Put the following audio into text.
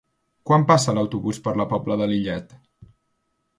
Quan passa l'autobús per la Pobla de Lillet?